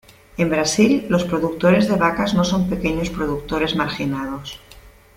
En Brasil, los productores de vacas no son pequeños productores marginados.